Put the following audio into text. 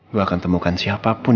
gue akan temukan siapapun